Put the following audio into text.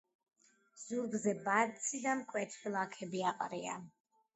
ზურგზე ბაცი და მკვეთრი ლაქები აყრია.